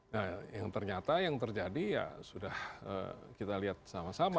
nah yang ternyata yang terjadi ya sudah kita lihat sama sama